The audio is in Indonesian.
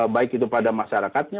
baik itu pada masyarakatnya